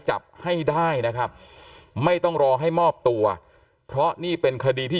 จับให้ได้นะครับไม่ต้องรอให้มอบตัวเพราะนี่เป็นคดีที่